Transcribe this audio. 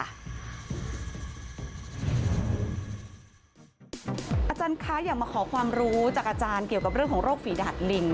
อาจารย์คะอยากมาขอความรู้จากอาจารย์เกี่ยวกับเรื่องของโรคฝีดาดลิง